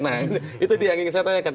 nah itu dia yang ingin saya tanyakan